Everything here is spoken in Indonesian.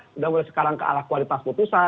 sudah mulai sekarang ke arah kualitas putusan